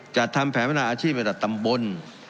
จัดทำแผนพัฒนาอาชีพระดับตำบล